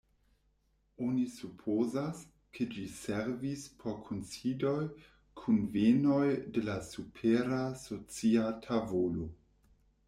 Oni supozas, ke ĝi servis por kunsidoj, kunvenoj de la supera socia tavolo.